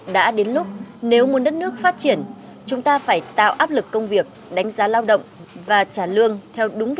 đã đến lúc nếu muốn đất nước phát triển chúng ta phải tạo áp lực công việc đánh giá lao động và trả lương theo đúng